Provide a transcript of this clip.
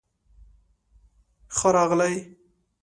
ښۀ راغلئ